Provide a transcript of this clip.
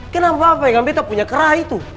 kenapa bapak dengan bete punya kerah itu